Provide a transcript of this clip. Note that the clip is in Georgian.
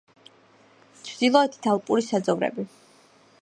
ჩრდილოეთით ალპური საძოვრები.